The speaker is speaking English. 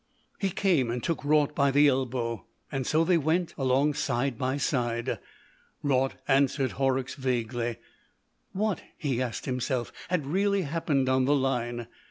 He came and took Raut by the elbow, and so they went along side by side. Raut answered Horrocks vaguely. What, he asked himself, had really happened on the line?